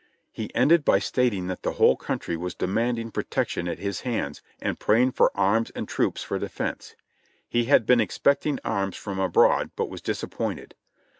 He ended by stating that the whole country was demanding protection at his hands, and praying for arms and troops for defense. He had been expecting arms from abroad, but was disappointed.